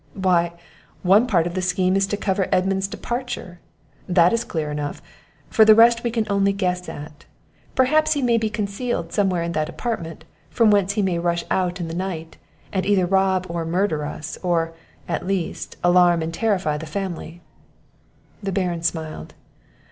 "Why, one part of the scheme is to cover Edmund's departure, that is clear enough; for the rest, we can only guess at it perhaps he may be concealed somewhere in that apartment, from whence he may rush out in the night, and either rob or murder us; or, at least, alarm and terrify the family." The Baron smiled.